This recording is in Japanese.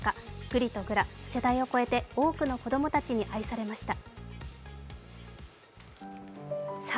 「ぐりとぐら」、世代を超えて多くの子供たちに愛されました。